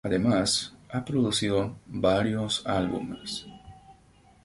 Además, ha producido varios álbumes.